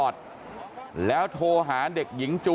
กลับไปลองกลับ